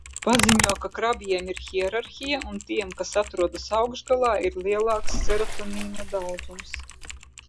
Paziņo, ka krabjiem ir hierarhija un tiem, kas atrodas augšgalā, ir lielāks serotonīna daudzums.